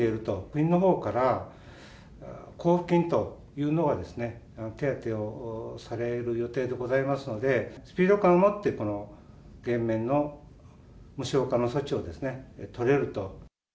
国のほうから交付金というのが手当をされる予定でございますので、スピード感を持って、この減免の、無償化の措置を取れると。